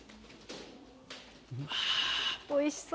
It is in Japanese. おいしそう。